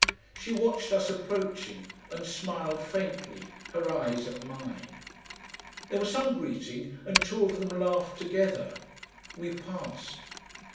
She watched us approaching and smiled faintly, her eyes at mine. There was some greeting, and two of them laughed together. We passed.